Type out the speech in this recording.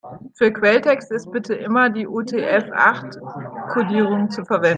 Für Quelltext ist bitte immer die UTF-acht-Kodierung zu verwenden.